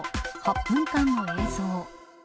８分間の映像。